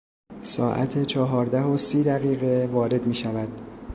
ساعت چهارده و سی دقیقه وارد میشود.